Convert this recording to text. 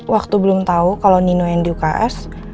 waktu belum tahu kalau nino yang di uks